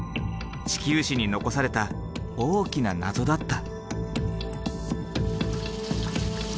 地球史に残された大きな謎だった。